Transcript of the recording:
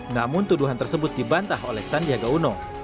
namun tuduhan tersebut dibantah oleh sandiaga uno